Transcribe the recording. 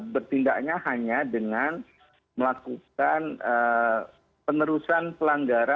bertindaknya hanya dengan melakukan penerusan pelanggaran